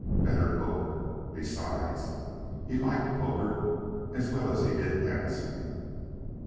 Better poker. Besides, he liked poker as well as he did dancing.